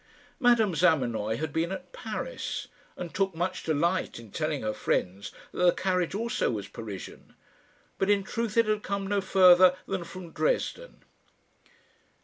Madame Zamenoy had been at Paris, and took much delight in telling her friends that the carriage also was Parisian; but, in truth, it had come no further than from Dresden.